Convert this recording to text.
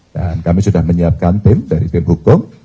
dan kami sudah menyiapkan tim dari tim hukum